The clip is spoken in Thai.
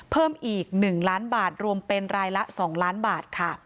เพิ่มอีก๑ล้านบาทรวมเป็นรายละ๒ล้านบาทค่ะ